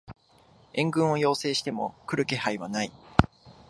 援軍を要請しても来る気配はない